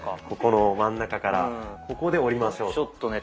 ここの真ん中からここで折りましょうと。